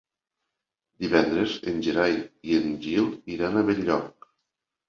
Divendres en Gerai i en Gil iran a Benlloc.